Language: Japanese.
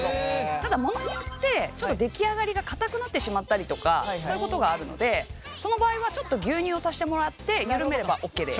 ただものによってちょっと出来上がりがかたくなってしまったりとかそういうことがあるのでその場合はちょっと牛乳を足してもらってゆるめればオッケーです。